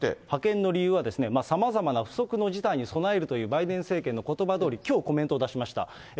派遣の理由は、さまざまな不測の事態に備えるというバイデン政権のことばどおり、きょうコメントを出しました。